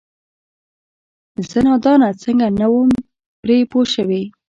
زه نادانه څنګه نه وم پرې پوه شوې؟!